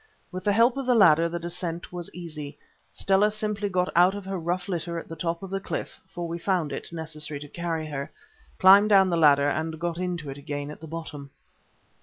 With the help of the ladder the descent was easy. Stella simply got out of her rough litter at the top of the cliff, for we found it necessary to carry her, climbed down the ladder, and got into it again at the bottom.